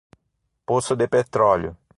Poço de petróleo